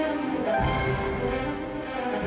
kamila masih beribu